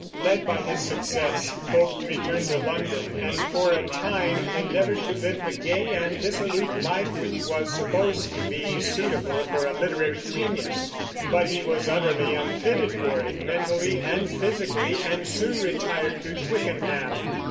Led by his success, Pope returned to London and for a time endeavored to live the gay and dissolute life which was supposed to be suitable for a literary genius; but he was utterly unfitted for it, mentally and physically, and soon retired to Twickenham.